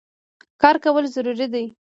کار کول ضروري دی.